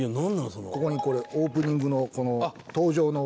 ここにこれオープニングの登場の技とか。